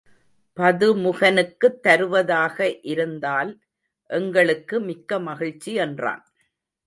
பதுமுகனுக்குத் தருவதாக இருந்தால் எங்களுக்கு மிக்க மகிழ்ச்சி என்றான்.